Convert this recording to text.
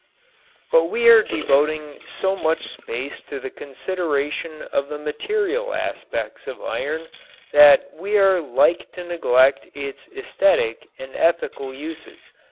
But we are devoting so much space to the consideration of the material aspects of iron that we are like to neglect its esthetic and ethical uses.